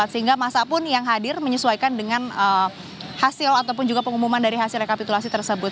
sehingga masa pun yang hadir menyesuaikan dengan hasil ataupun juga pengumuman dari hasil rekapitulasi tersebut